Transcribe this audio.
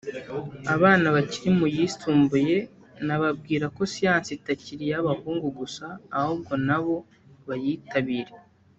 Abana bakiri mu yisumbuye nababwira ko siyansi itakiri iy’abahungu gusa ahubwo na bo bayitabire